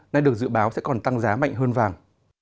nay được dự báo sẽ còn tăng giá mạnh hơn vàng